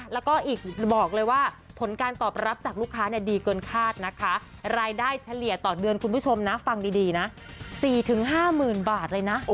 แล้วก็อีกบอกเลยว่าผลการตอบรับจากลูกค้าดีเกินคาดนะคะรายได้เฉลี่ยต่อเดือนคุณผู้ชมนะฟังดีนะ๔๕๐๐๐บาทเลยนะ